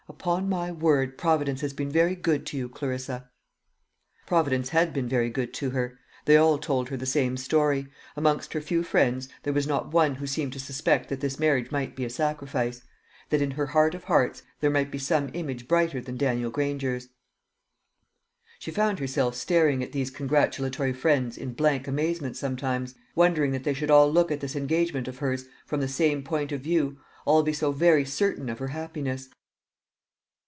Upon my word, Providence has been very good to you, Clarissa." Providence had been very good to her. They all told her the same story. Amongst her few friends there was not one who seemed to suspect that this marriage might be a sacrifice; that in her heart of hearts there might be some image brighter than Daniel Granger's. She found herself staring at these congratulatory friends in blank amazement sometimes, wondering that they should all look at this engagement of hers from the same point of view, all be so very certain of her happiness.